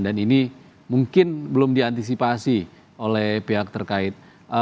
dan ini mungkin belum diantisipasi oleh pihak terkait